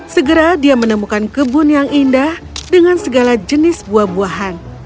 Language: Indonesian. segera dia menemukan kebun yang indah dengan segala jenis buah buahan